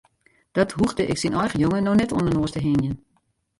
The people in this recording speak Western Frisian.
Dat hoegde ik syn eigen jonge no net oan de noas te hingjen.